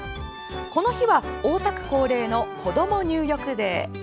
この日は、大田区恒例のこども入浴デー。